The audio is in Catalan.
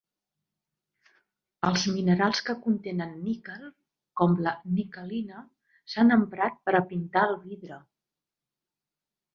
Els minerals que contenen níquel, com la niquelina, s'han emprat per a pintar el vidre.